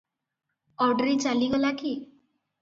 Audrey ଚାଲିଗଲା କି?